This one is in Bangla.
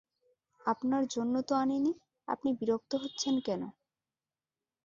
আপনার জন্যে তো আনি নি, আপনি বিরক্ত হচ্ছেন কেন?